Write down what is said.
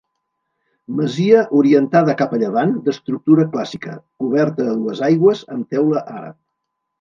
Masia orientada cap a llevant d'estructura clàssica coberta a dues aigües amb teula àrab.